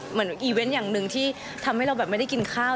เหมือนอีเวนต์อย่างหนึ่งที่ทำให้เราแบบไม่ได้กินข้าว